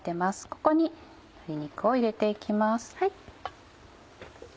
ここに鶏肉を入れて行きます。